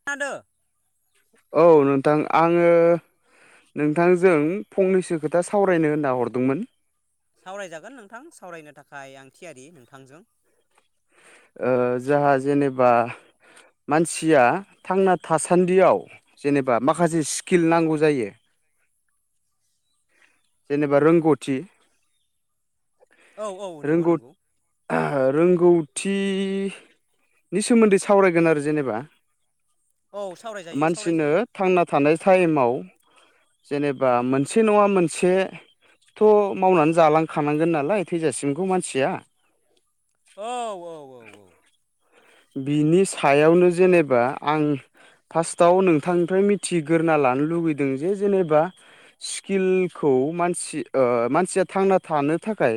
[unintelligible] औ नोंथां आंङो नोंथांजों फंनैसो खोथा सावरायनो होनना हरदोंमोन सावरायजागोन नोंथां सावरायनो थाखाय आं थियारि नोंथांजों। ओ जोंहा जेनेबा मानसिया थांना थासान्दियाव जेनेबा माखासे स्किल नांगौ जायो जेनेबा रोंगौथि औ औ नंगौ नंगौ रोंगौथि नि सोमोन्दै सावरायगोन आरो जेनेबा। औ सावरायजायो मानसिनो सावरायजायो थांना थानाय ताइमाव जेनेबा मोनसे नंङा मोन से थ' मावनानै जालांखानांगोन नालाय थैजासिमखौ मानसिया। औ औ औ औ बिनि सायावनो जेनेबा आं फार्स्टआव नोंथांनिफ्राय मिथिग्रोना लानो लुुबैदों जे जेनेबा स्किलखौ मानसि ओ मानसिया थांना थानो थाखाय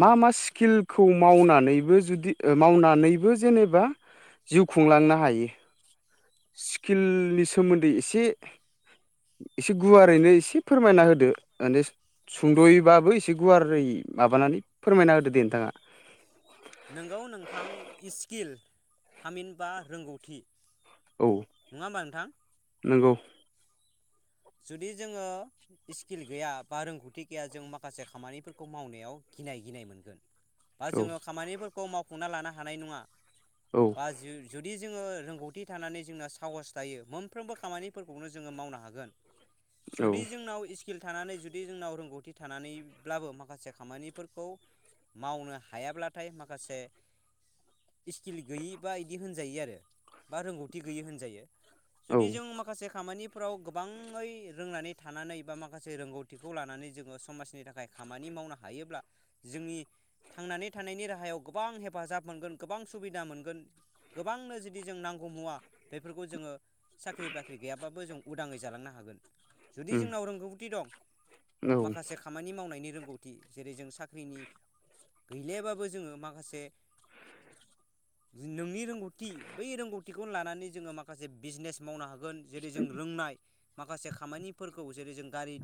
मा मा स्किलखौ मावनानैबो जुदि ओ मावनानै बो जेनेबा जिउ खुंलांनो हायो? स्किलनि सोमोन्दै एसे एसे गुवारैनो एसे फोरमायना होदो माने सुंद'यबाबो एसे गुवारै माबानानै फोरमायना होदो दे नोंथांङा। नोंगौ नोंथां इस्किल थामिनबा रोंगौथि औ नङा होमबा नोंथां नंगौ जुदि जोंङो इस्किल गैया बा रोंगौथि गैया जों माखासे खामानिफोरखौ मावनायाव गिनाय गिनाय मोनगोन बा औ जोङो खामानिफोरखौ मावफुंना लानो हानाय नङा। औ बा जु-जुदि जोङो रोंगौथि थानानै जोंना साहस थायो मोनफ्रोमबो खामानिफोरखौनो जोङो मावनो हागोन। औ जुदि जोंनाव इस स्किल थानानै जुदि जोंनाव रोंगौथि थानानैब्लाबो माखासे खामानिफोरखौ मावनो हायाब्लाथाय माखासे इस्किल गैयि बा इदि होनजायो आरो बा रोंगौथि गैयि होनजायो। औ जुदि जों माखासे खामानिफोराव गोबां ङै रोंनानै थानानै बा माखासे रोंगौथिखौ लानानै जोङो समाजनि थाखाय खामानि मावनो हायोब्ला जोंनि थांनानै थानायनि राहायाव गोबां हेफाजाब मोनगोन गोबां सुबिदा मोनगोन। गोबांनो जुदि जों नांगौ मुवा बेफोरखौ जोङो साख्रि बाख्रि गैयाबाबो जों उदाङै जालांनो हागोन जुदि उम जोंनाव रोंगौथि दं‌ औ माखासे खामानि मावनायनि रोंगौथि जेरै जों साख्रिनि गैलायाबाबो जोङो माखासे नोंनि रोंगौथि बै रोंगौथिखौनो लानानै जोङो माखासे बिजनेस मावनो हागोन जेरै जों रोंनाय माखासे खामानिफोरखौ जेरै जों गारि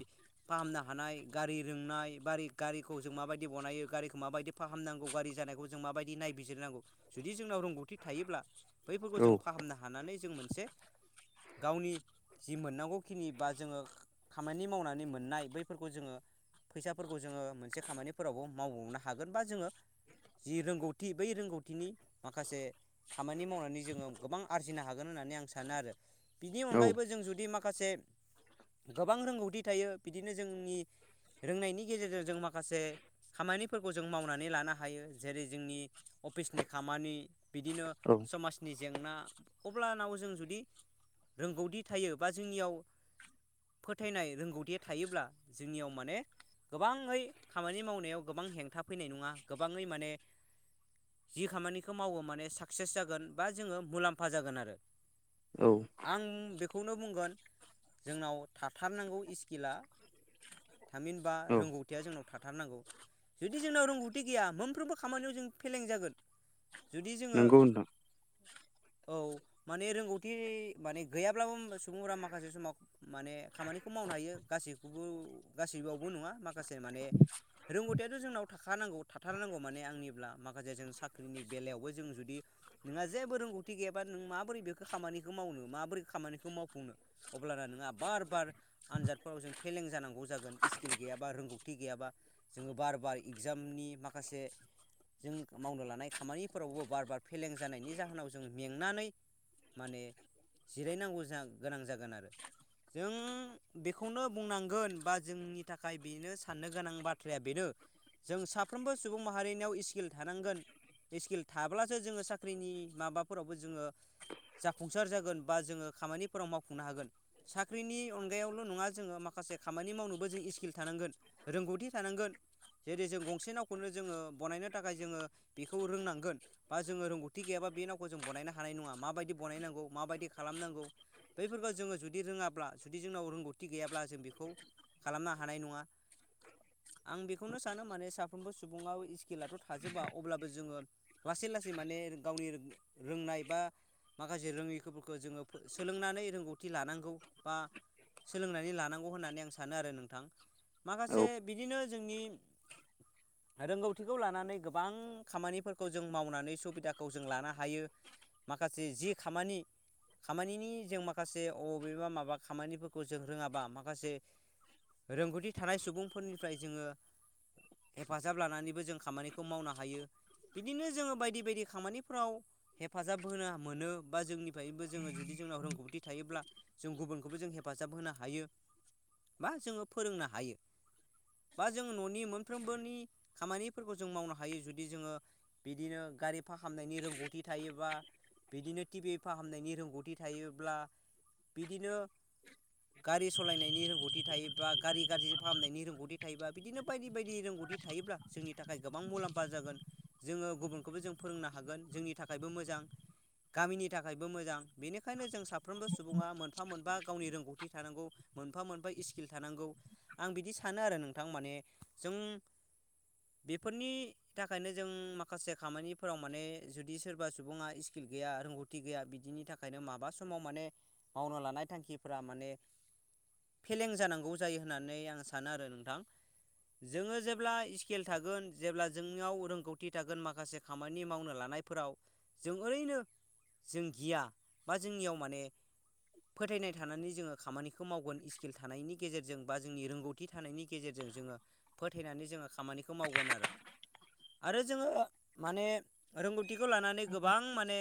फाहामनो हानाय गारि रोंनाय बारि गारिखौ जों माबायदि बनायो गारिखौ माबायदि फाहामनांगौ गारि जानायखौ जों माबायदि नायबिजिरनांगौ जुदि जोंनाव रोंगौथि थायोब्ला बैफोरखौ जों औ फाहामनो हानानै जों मोनसे गावनि जि मोननांगौ खिनि बा जोङो खामानि मावनानै मोननाय बैफोरखौ जोङो फैसाफोरखौ जोङो मोनसे खामानिफोरावबो मावबावनो हागोन बा जोङो जि रोंगौथि बै रोंगौथिनि माखासे खामानि मावनानै जोङो गोबां आरजिनो हागोन होननानै आं सानो आरो बिनि औ अनगायैबो जों जुदि माखासे गोबां रोंगौथि थायो बिदिनो जोंनि रोंनायनि गेजेरजों जों माखासे खामानिफोरखौ जों मावनानै लानो हायो जेरै जोंनि अफिसनि खामानि बिदिनो औ समाज नि जेंना अब्लानाव जों जुदि रोंगौथि थायो बा जोंनियाव फोथायनाय रोंगौथिया थायोब्ला जोंनियाव माने गोबाङै खामानि मावनायाव गोबां हेंथा फैनाय नङा गोबाङै माने जि खामानिखौ मावो माने साक्सेस जागोन बा जोङो मुलाम्फा जागोन आरो। औ आं बेखौनो बुंगोन जोंनाव थाथारनांगौ इस्किला थामहिनबा औ रोंगौथिया जोंनाव थाथारनांगौ। जुदि जोंनाव रोंगौथि गैया मोनफ्रोमबो खामानियाव जों फेलें जागोन। जुदि जोङो नंगौ नोंथां औ माने रोंगौथि माने गैयाब्लाबो सुबुंफोरा माखासे समाव माने खामानिखौ मावनो हायो गासैखौबो गासैबावबो नङा माखासे माने रोंगौथिआथ' जोंनाव थाखानांगौ थाथारनांगौ माने आंनिब्ला माखासे जों साख्रिनि बेलायावबो जों जुदि नोंहा जेबो रोंगौथि गैयाबा नों माबोरै बेखौ खामानिखौ मावनो माबोरै खामानिखौ मावफुंनो। अब्लाना नोंहा बार बार आनजादफोराव जों फेलें जानांगौ जागोन इस्किल गैयाबा रोंगौथि गैयाबा। जोङो बार बार इगजामनि माखासे जों मावनो लानाय खामानिफोरावबो बार बार फेलें जानायनि जाहोनाव जों मेंनानै माने जिरायनांगौ जा गोनां जागोन आरो। जों बेखौनो बुंनांगोन बा जोंनि थाखाय बेनो साननो गोनां बाथ्राया बेनो। जों साफ्रोमबो सुबुं माहारिनियाव इस्किल थानांगोन। इस्किल थाब्लासो जोङो साख्रिनि माबाफोरावबो जोङो जाफुंसार जागोन बा जोङो खामानिफोराव मावफुंनो हागोन। साख्रिनि अनगायावल' नङा जोङो माखासे खामानि मावनोबो जों स्किल थानांगोन रोंगौथि थानांगोन जेरै जों गंसे नावखौनो जोङो बनायनो थाखाय जोङो बेखौ रोंनांगोन बा जोङो रोंगौथि गैयाबा बे नावखौ जों बानायनो हानाय नङा माबायदि बानायनांगौ माबायदि खालामनांगौ बैफोरखौ जोङो जुदि जुदि रोङाब्ला जुदि जोंनाव रोंगौथि गैयाब्ला जों बेखौ खालामनो हानाय नङा आं बेखौनो सानो माने साफ्रोमबो सुबुङाव इस्किलाथ' थाजोबा अब्लाबो जोङो लासै लासै माने गावनि रोंनाय बा माखासे रोङैफोरखौ जोङो फो सोलोंनानै रोंगौथि लानां गौ बा सोलोंनानै लानांगौ होननानै आं सानो आरो नोंथां। औ माखासे बिदिनो जोंनि रोंगौथिखौ लानानै गोबां खामानिफोरखौ जों मावनानै सुबिदाखौ जों लानो हायो। माखासे जि खामानि खामानिनि जों माखासे बबेबा माबा खामानिफोरखौ जों रोङाबा माखासे रोंगौथि थानाय सुबुंफोरनिफ्राय जोङो हेफाजाब लानानैबो जों खामानिखौ मावनो हायो। बिदिनो जोङो बायदि बायदि खामानिफ्राव हेफाजाब होना मोनो बा जोंनिफ्रायबो जोङो जुदि जोंनाव रोंगौथि थायोब्ला जों गुबुनखौबो जों हेफाजाब होनो हायो बा जोङो फोरोंनो हायो। बा जों न'नि मोनफ्रोमबोनि खामानिफोरखौ जों मावनो हायो जुदि जोङो बिदिनो गारि फाखामनायनि रोंगौथि थायोबा बिदिनो टिभि फाहामनायनि रोंगौथि थायोब्ला बिदिनो गारि सालायनायनि रोंगौथि थायोबा गारि गाज्रि फाहामनायनि रोंगौथि थायोबा बिदिनो बायदि बायदि रोंगौथिायो थायोब्ला जोंनि थाखाय गोबां मुलाम्फा जागोन जोङो गुबुनखौबो जों फोरोंनो हागोन जोंनि थाखायबो मोजां गामिनि थाखायबो मोजां बेनिखायनो जों साफ्रोमबो सुबुङा मोनफा मोनफा गावनि रोंगौथि थानांगौ मोनफा मोनफा स्किल थानांगौ आं बिदि सानो आरो नोंथां माने जों बेफोरनि थाखायनो जों माखासे खामानिफोराव माने जुदि सोरबा सुबुङा स्किल गैया रोंगौथि सथि गैया बिदिनि थाखायनो माबा समाव माने मावनो लानाय थांखिफोरा माने फेलें जानांगौ जायो होननानै आं सानो आरो नोंथां जोङो जेब्ला स्किेल थागोन जेब्ला जोंनियाव रोंगौथि थागोन माखासे खामानि मावनो लानाय फोराव जों ओरैनो जों गिया बा जोंनियाव माने फोथायनाय थानानै जोङो खामानिखौ मावगोन स्किल थानायनि गेजेरजों बा जोंनि रोंगौथि थानायनि गेजेरजों जोङो फोथायनानै जोङो खामानिखौ मावगोन आरो आरो जोङो माने रोंगौथिखौ लानानै गोबां माने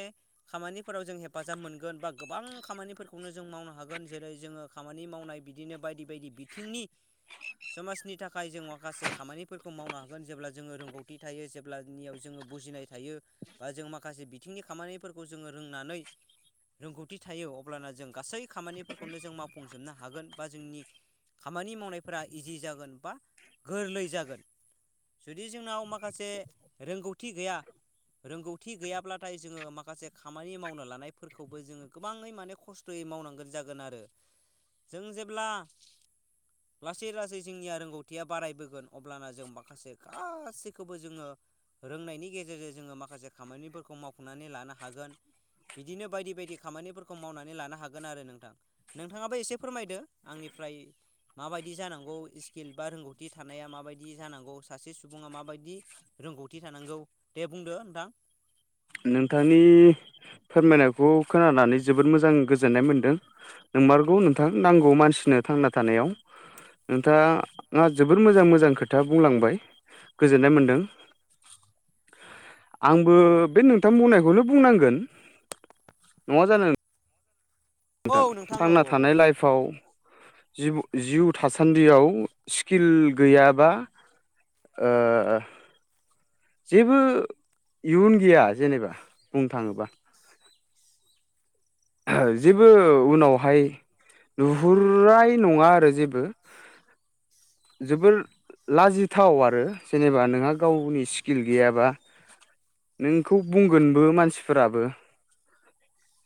खामानिफोराव जों हेफाजाब मोनगोन बा गोबां खामानि खौनो जों मावनो हागोन जेरै जोङो खामानि मावनाय बिदिनो बायदि बायदि बिथिंनि समाजनि थाखाय जों माखासे खामानिफोरखौ मावनो हागोन जेब्ला जोङो रोंगौथि थायो जेब्ला ज बुनायायो बा जों माखासे बिथिंनि खामानि जोङो रोंनानै रोंगौथि थायो अब्लाना जों गासै खामानिफोरखौनो जों मावफुंजोबनो हागोन बा जोंनि खामानि मावनायफोरा इजि जागोन बा गोरलै जागोन जुदि जोंनाव माखासे रोंगौथि गैया रोंगौथि गैयाब्लाथाय जोङो माखासे खामानि मावनो लानायफोरखौबो जोङो गोबाङै माने खस्थ' खथयै मावनांगोन जागोन आरो जों जेब्ला लासै लासै जोंनिया रोंगौथिया बारायबोगोन अब्लाना जों माखासे गासैखौबो जोङो रोंनायनि गेजेरजों जोङो माखासे खामानिफोरखौ मावफुंनानै लानो हागोन। बिदिनो बायदि बायदि खामानिफोरखौ मावनानै लाना हागोन आरो नोंथां नोंथाङाबो एसे फोरमायदो आंनिफ्राय माबायदि जानांगौ स्किल बा रोंगौथि थानाया माबायदि जानांगौ सासे सुबुङा माबायदि रोंगौथि थानांगौ दे बुंदो नोंथां। नोंथांनि फोरमायनायखौ खोनानानै जोबोद मोजां गोजोननाय मोनदों। नोंमारगौ नोंथां। नांगौ मानसि नों थांना थानायाव। नोंथाङा जोबोर मोजां मोजां खोथा बुंलांबाय गोजोननाय मोन्दों। [inaudible] आंबो बे नोंथां बुंनायखौनो बुंनांगोन नङा जानो। औ नोंथां औ थांना औ औ थानाय लाइफ फाव जि जिउ थासान्दियाव स्किल गैयाबा ओ जेबो इयुन गैया जेनेबा। बुंनो थाङोबा जेबो उनावहाय नुहुरराय नङा आरो जेबो। जोबोर लाजिथाव आरो जेनेबा नोंहा गावनि स्किल गैयाबा नोंखौ बुंगोनबो मानसिफोराबो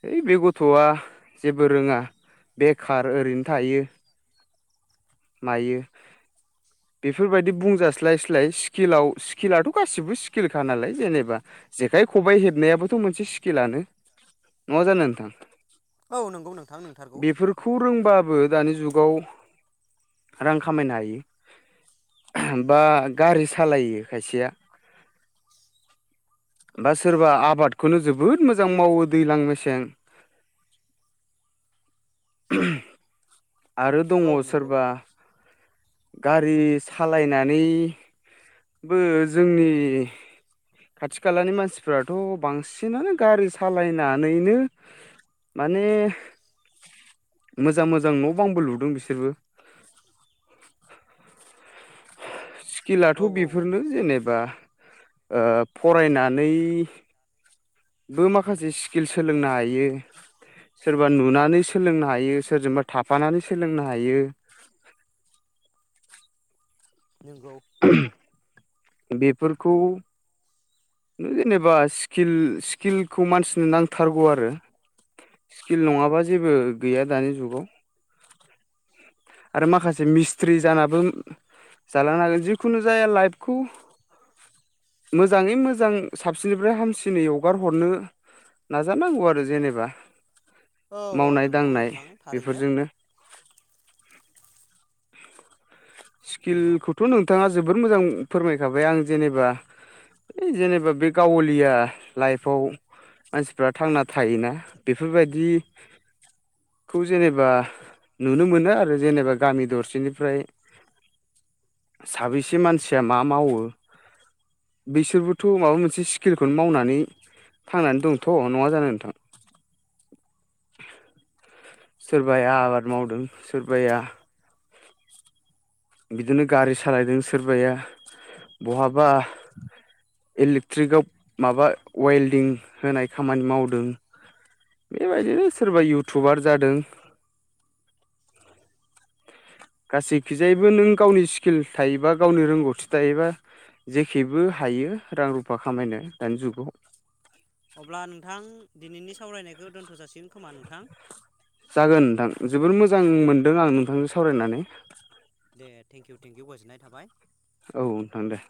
है बे गथ'आ जेबो रोङा बेखार ओरैनो थायो। मायो बेफोरबायदि बुंजास्लायस्लाय स्किलाव स्किलाथ' गासिबो स्किलखा नालाय जेनेबा जेखाइ खबाइ हेबनायाबोथ' मोनसे स्किलानो नङा जानो नोंथां औ नोंगौ नोंथां नोंथारगौ खौ रोंबाबो दानि जुगाव रां खामायनो हायो। बा गारि सालायो खायसेया बा सोरबा आबादखौनो जोबोद मोजां मावो दैलां मेसें [inaudible] [unintelligible] आरो दङ औ नंगौ सोरबा गारि सालायनानै बो जोंनि खाथि खालानि मानसिफ्राथ' बांसिनानो गारि सालायनानैनो माने मोजां मोजां न' बांबो लुदों बिसोरबो स्किलाथ' औ औ औ बेफोरनो जेनेबा। ओ फरायनानै बो माखासे स्किल सोलोंनो हायो सोरबा नुनानै सोलोंनो हायो, सोरजोंबा थाफानानै सोलोंनो हायो नोंगौ [unintelligible] बेफोरखौ जेनेबा स्किल स्किलखौ मानसिनो नांथारगौ आरो स्किल नङाबा जेबो गैया दानि जुगाव आरो माखासे मिस्ट्रि जानाबो जालांनो हागोन जिखुनु जाया लाइफखौ मोजाङै मोजां साबसिननिफ्राय हामसिनै हगार हरनो नाजानांगौ आरो जेनेबा औ औ मावनाय नंगौ दांनाय नोंथां थारैनो बेफोरजोंनो नंगौ स्किलखौथ' नोंथाङा जोबोर मोजां फोरमायखाबाय आं जेनेबा जेनेबा बे गाव'लिया लाइफआव मानसिफ्रा थांना थायोना बेफोरबादि खौ जेनेबा नुनो मोनो आरो जेनेबा गामि दरसेनिफ्राय साबैसे मानसिया मा मावो बिसोरबोथ' माबा मोनसे स्किलखौनो मावनानै थांनानै दंथ' नङा जानो नोंथां [inaudible] सोरबाया आबाद मावदों सोरबाया बिदिनो गारि सालायदों सोरबाया बहाबा इलेक्ट्रिकआव माबा वेल्डिं होनाय खामानि मावदों। बेबायदिनो सोरबा इउटुबार जादों। गासैखिजायैबो नों गावनि स्किल थायोबा गावनि रोंगौथि थायोबा जेखिबो हायो रां रुफा खामायनो दानि जुगाव। अब्ला नोंथां दिनैनि सावरायनायखौ दोनथ' जासिगोन खोमा नोंथां। जागोन नोंथां जोबोर मोजां औ मोनदों आं नोंथांजों सावरायनानै। दे थेंकिउ थेंकिउ गोजोननाय थाबाय। औ नोंथां दे।